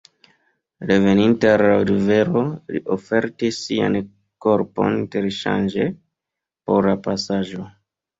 Reveninte al la rivero li ofertis sian korpon interŝanĝe por la pasaĵo.